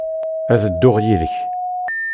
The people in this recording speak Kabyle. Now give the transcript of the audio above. Ad dduɣ yid-k.